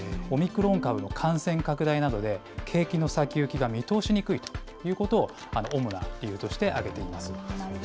オミクロン株の感染拡大などで景気の先行きが見通しにくいということを主な理由として挙げています。